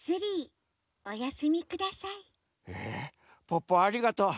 ポッポありがとう。